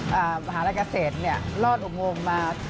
ภาคาทักเซศรฯเนี่ยรอดอมมา